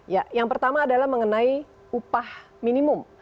ya yang pertama adalah mengenai upah minimum